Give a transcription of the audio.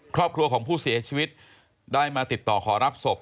ครอบครัวของผู้เสียชีวิตได้มาติดต่อขอรับศพ